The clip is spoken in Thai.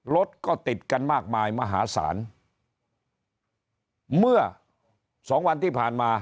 รถก็ติดกันมากมายมหาศาลเมื่อสองวันที่ผ่านมา